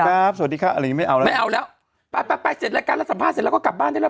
ไม่เอาแล้วไม่เอาแล้วไปไปไปเสร็จแล้วกันแล้วสัมภาษณ์เสร็จแล้วก็กลับบ้านได้แล้ว